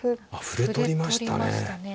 歩で取りましたね。